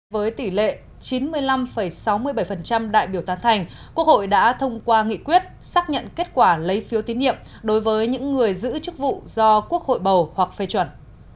với tỷ lệ chín mươi năm sáu mươi bảy đại biểu tán thành quốc hội đã thông qua nghị quyết xác nhận kết quả lấy phiếu tín nhiệm đối với những người giữ chức vụ do quốc hội bầu hoặc phê chuẩn